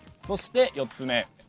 そして４つ目。